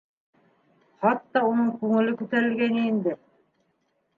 Хатта уның күңеле күтәрелгәйне инде.